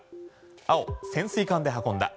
青、潜水艦で運んだ。